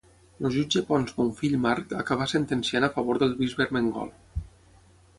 El jutge Ponç Bonfill Marc acabà sentenciant a favor del bisbe Ermengol.